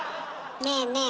ねえねえ